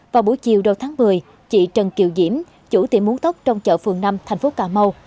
vào buổi chiều đầu tháng một mươi chị trần kiều diễm chủ tiệm muốn tóc trong chợ phường năm thành phố cà mau